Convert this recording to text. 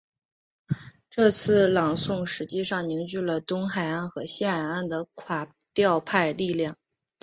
这次朗诵实际上凝聚了东海岸和西海岸的垮掉派力量。